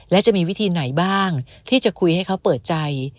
และจะมีวิธีไหนบ้างที่จะคุยให้เขาเปิดใจ